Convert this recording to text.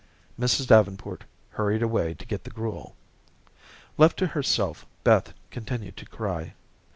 Mrs. Davenport hurried away to get the gruel. Left to herself, Beth continued to cry.